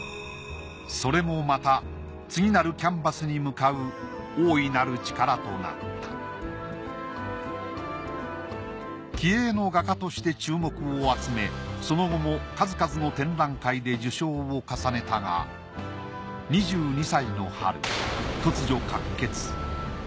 それもまた次なるキャンバスに向かう大いなる力となった気鋭の画家として注目を集めその後も数々の展覧会で受賞を重ねたが２２歳の春突如喀血。